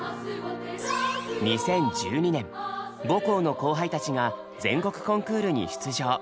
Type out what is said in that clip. ２０１２年母校の後輩たちが全国コンクールに出場。